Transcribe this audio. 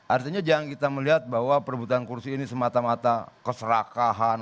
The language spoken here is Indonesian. artinya jangan kita melihat bahwa perbutan kursi ini semata mata keserakahan